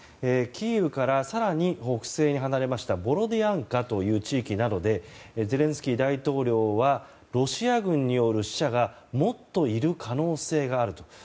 キーウから更に北西に離れましたボロディアンカという地域などでゼレンスキー大統領はロシア軍による死者がもっといる可能性があると。